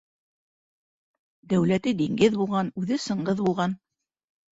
Дәүләте диңгеҙ булған, үҙе Сыңғыҙ булған.